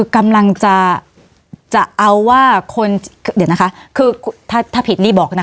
กำลังจะเอาว่าถ้าผิดรีบบอกนะคะ